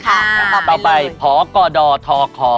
ค่ะต่อไปเลยต่อไปพกธค